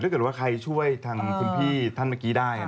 ถ้าเกิดว่าใครช่วยทางคุณพี่ท่านเมื่อกี้ได้